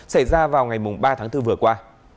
xảy ra vào ngày ba tháng bốn vừa qua